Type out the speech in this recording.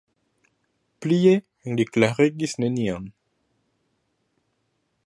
Plie li klarigis nenion.